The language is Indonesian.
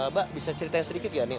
mbak bisa cerita sedikit nggak nih